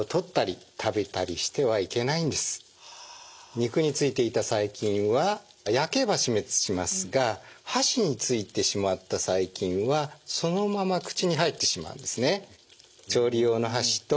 肉についていた細菌は焼けば死滅しますが箸についてしまった細菌はそのまま口に入ってしまうんですね。